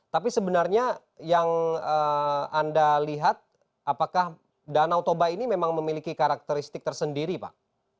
tapi sebenarnya yang anda lihat apakah danau toba ini memang memiliki karakteristik tersendiri pak